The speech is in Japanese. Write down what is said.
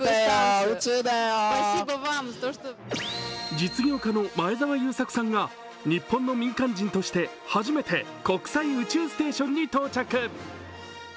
実業家の前澤友作さんが日本の民間人として、初めて国際宇宙ステーションに到着。